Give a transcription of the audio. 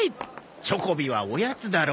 チョコビはおやつだろ。